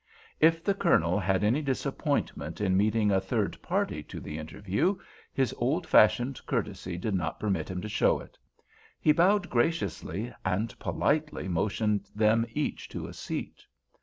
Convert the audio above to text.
If the Colonel had any disappointment in meeting a third party to the interview, his old fashioned courtesy did not permit him to show it. He bowed graciously, and politely motioned them each to a seat.